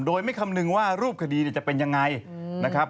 โดยไม่คำนึงว่ารูปคดีจะเป็นอย่างไร